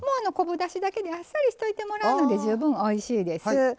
昆布だしだけであっさりしておいてもらうだけで十分おいしいです。